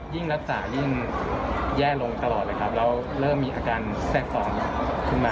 ยิ่งรักษายิ่งแย่ลงตลอดเลยครับแล้วเริ่มมีอาการแทรกซ้อนขึ้นมา